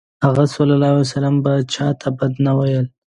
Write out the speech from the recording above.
هغه ﷺ به چاته بد نه ویلی.